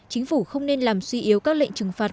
chính phủ không nên làm suy yếu các lệnh trừng phạt